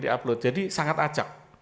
di upload jadi sangat ajak